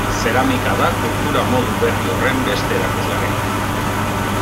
Zeramika da kultura modu berri horren beste erakusgarri bat.